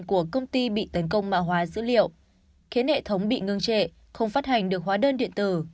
của công ty bị tấn công mạng hóa dữ liệu khiến hệ thống bị ngưng trệ không phát hành được hóa đơn điện tử